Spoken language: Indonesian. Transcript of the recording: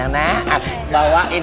yuk yuk siap